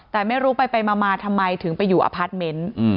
แต่ไม่รู้ไปมาทำไมถึงไปอยู่อพาร์ทเมนต์